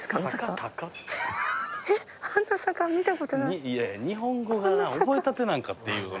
いやいや日本語が覚えたてなんかっていう。